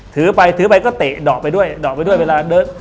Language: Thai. ถือไปถือไปก็เตะดอกไปด้วยดอกไปด้วยเวลาเดิน